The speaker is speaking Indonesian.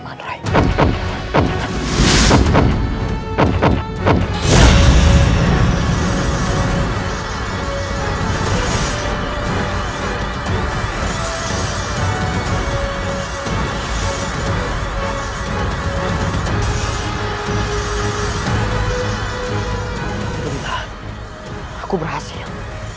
alhamdulillah rabbi rahman